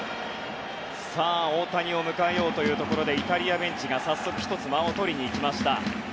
大谷を迎えようというところでイタリアベンチが早速１つ、間をとりました。